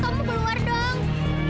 kata bu guru tempatnya alien